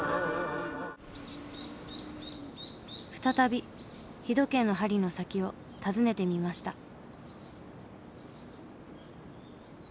再び日時計の針の先を訪ねてみました。